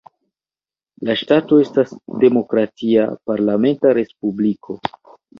La ŝtato estas demokratia, parlamenta respubliko.